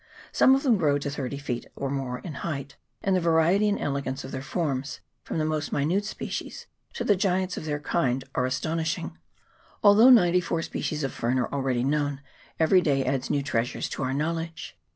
Some of them grow to 30 feet and more in height; and the variety and elegance of their forms, from the most minute species to the giants of their kind, are astonishing. Although 94 species of ferns are already known, every day adds new treasures to our knowledge.